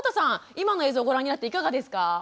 今の映像をご覧になっていかがですか？